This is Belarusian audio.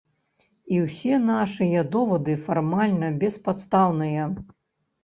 І ўсе нашыя довады фармальна беспадстаўныя.